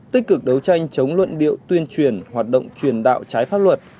tích cực đấu tranh chống luận điệu tuyên truyền hoạt động truyền đạo trái pháp luật